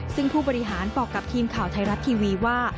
ซึ่งผู้บริหารบอกกับทีมข่าวไทยรัฐทีวีว่า